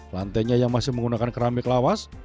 lantainya yang masih menggunakan keramik lawas